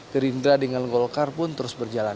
gerindra dengan golkar pun terus berjalan